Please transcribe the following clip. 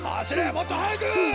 もっとはやく！